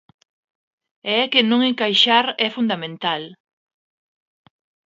E é que non encaixar é fundamental.